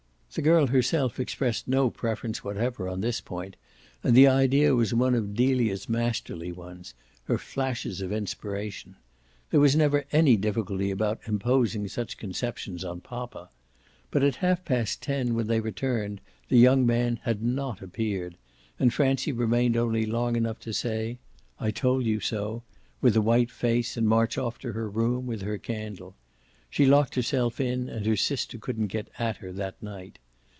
The girl herself expressed no preference whatever on this point, and the idea was one of Delia's masterly ones, her flashes of inspiration. There was never any difficulty about imposing such conceptions on poppa. But at half past ten, when they returned, the young man had not appeared, and Francie remained only long enough to say "I told you so!" with a white face and march off to her room with her candle. She locked herself in and her sister couldn't get at her that night.